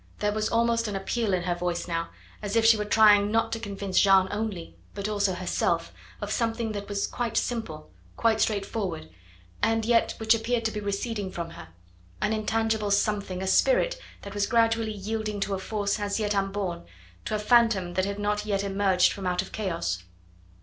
There was almost an appeal in her voice now, as if she were trying not to convince Jeanne only, but also herself, of something that was quite simple, quite straightforward, and yet which appeared to be receding from her, an intangible something, a spirit that was gradually yielding to a force as yet unborn, to a phantom that had not yet emerged from out chaos.